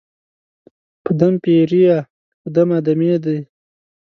په دم پېریه، په دم آدمې دي